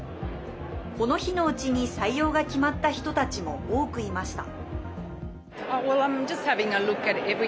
この日のうちに採用が決まった人たちも多くいました。